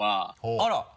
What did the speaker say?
あら。